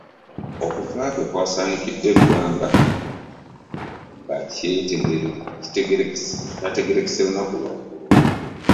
Okufa kwe kwasaanikidde eggwanga nga kyategeerekese lunaku lw'eggulo